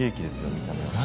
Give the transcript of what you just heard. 見た目は何？